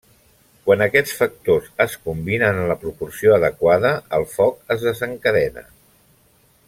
Quan aquests factors es combinen en la proporció adequada, el foc es desencadena.